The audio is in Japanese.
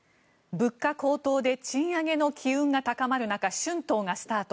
物価高騰で賃上げの機運が高まる中春闘がスタート。